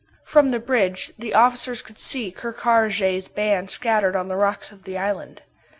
From the bridge the officers could see Ker Karraje's band scattered on the rocks of the island.